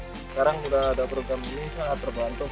sekarang sudah ada program ini sangat terbantu